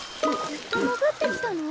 ずっと潜ってきたの？